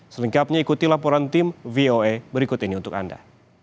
selengkapnya ikuti laporan tim voa berikut ini untuk anda